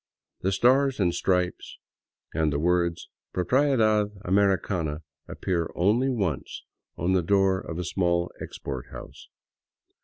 The Stars and Stripes and the words " Propiedad Americana " appear only once — on the door of a small export house.